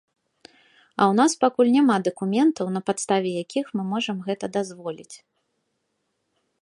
А ў нас пакуль няма дакументаў, на падставе якіх мы можам гэта дазволіць.